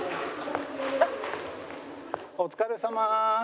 お疲れさま！